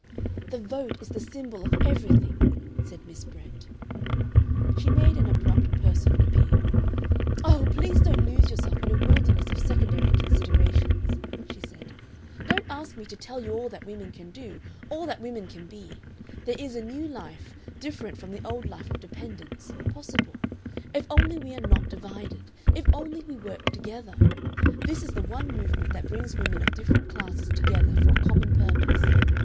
"The Vote is the symbol of everything," said Miss Brett. She made an abrupt personal appeal. "Oh! please don't lose yourself in a wilderness of secondary considerations," she said. "Don't ask me to tell you all that women can do, all that women can be. There is a new life, different from the old life of dependence, possible. If only we are not divided. If only we work together. This is the one movement that brings women of different classes together for a common purpose.